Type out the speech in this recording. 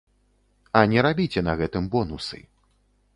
А не рабіце на гэтым бонусы.